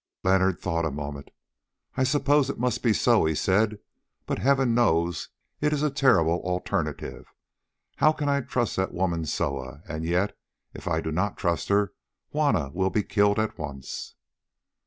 Leonard thought a moment. "I suppose it must be so," he said, "but Heaven knows, it is a terrible alternative. How can I trust that woman Soa? And yet if I do not trust her Juanna will be killed at once."